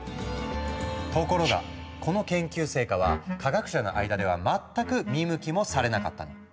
ところがこの研究成果は科学者の間では全く見向きもされなかったの。